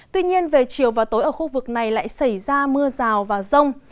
tuy nhiên về chiều và tối ở khu vực này lại xảy ra mưa rào và rông